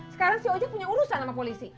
sekarang si ojek punya urusan sama polisi